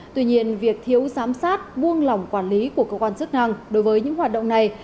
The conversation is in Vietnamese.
tuy nhiên việc thiếu giám sát buông lỏng quản lý của cơ quan chức năng đối với những hoạt động này